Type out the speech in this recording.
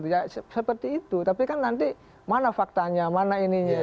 ya seperti itu tapi kan nanti mana faktanya mana ininya